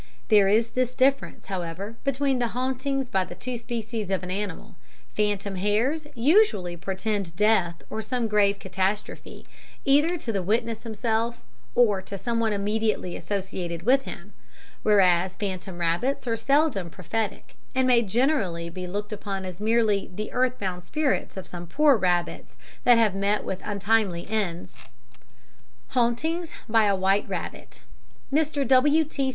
There is this difference, however, between the hauntings by the two species of animal phantom hares usually portend death or some grave catastrophe, either to the witness himself, or to someone immediately associated with him; whereas phantom rabbits are seldom prophetic, and may generally be looked upon merely as the earth bound spirits of some poor rabbits that have met with untimely ends. Hauntings by a White Rabbit Mr. W.T.